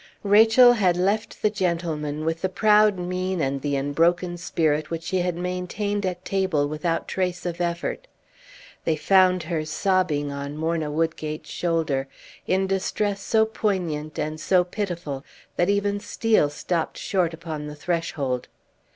Rachel had left the gentlemen with the proud mien and the unbroken spirit which she had maintained at table without trace of effort; they found her sobbing on Morna Woodgate's shoulder, in distress so poignant and so pitiful that even Steel stopped short upon the threshold.